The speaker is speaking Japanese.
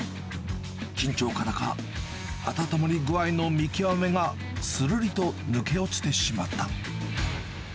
緊張からか、温まり具合の見極めがするりと抜け落ちてしまった。